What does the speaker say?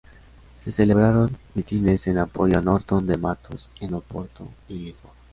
Se celebraron mítines en apoyo a Norton de Matos en Oporto y Lisboa.